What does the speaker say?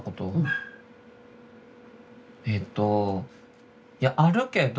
えっといやあるけど。